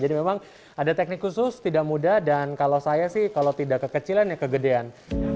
jadi memang ada teknik khusus tidak mudah dan kalau saya sih kalau tidak kekecilan ya kegedean